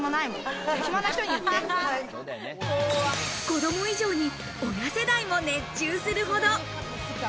子供以上に親世代も熱中するほど！